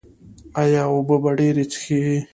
ایا اوبه به ډیرې څښئ؟